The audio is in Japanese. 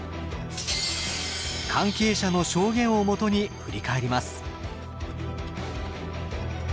関係者の証言をもとに振り返ります。